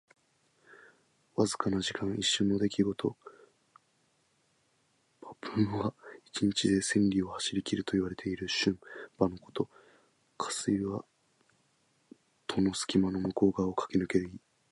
わずかな時間。一瞬の出来事。「騏驥」は一日で千里を走りきるといわれる駿馬のこと。「過隙」は戸の隙間の向こう側をかけぬける意。